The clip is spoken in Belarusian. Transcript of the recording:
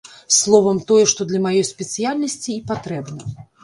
Словам, тое, што для маёй спецыяльнасці і патрэбна.